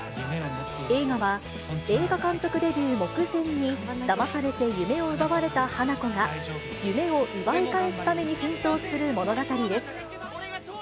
映画は映画監督デビュー目前にだまされて夢を奪われた花子が、夢を奪い返すために奮闘する物語です。